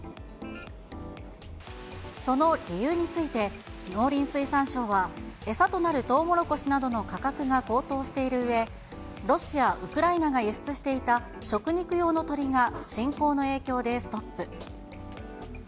その理由について、農林水産省は、餌となるトウモロコシなどの価格が高騰しているうえ、ロシア、ウクライナが輸出していた食肉用の鶏が侵攻の影響でストップ。